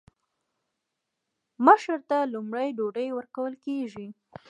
مشر ته لومړی ډوډۍ ورکول کیږي.